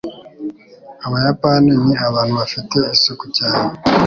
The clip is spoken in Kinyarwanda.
Abayapani ni abantu bafite isuku cyane.